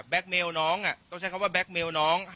แบล็กเมลน้องอ่ะต้องใช้คำว่าแบล็กเมลน้อง